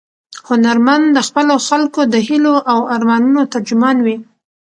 هنرمند د خپلو خلکو د هیلو او ارمانونو ترجمان وي.